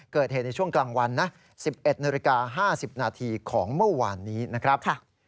เกิดเหตุในช่วงกลางวัน๑๑น๕๐นของเมื่อวานนี้นะครับ